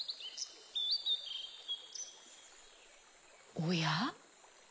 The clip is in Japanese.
おや？